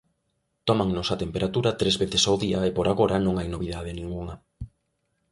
Tómannos a temperatura tres veces ao día e por agora non hai novidade ningunha.